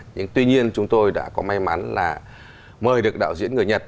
nhưng tuy nhiên chúng tôi đã có may mắn là mời được đạo diễn người nhật